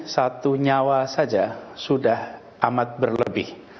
satu nyawa saja sudah amat berlebih